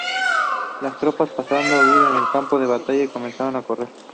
Las tropas pensaron huir del campo de batalla, y comenzaron a correr.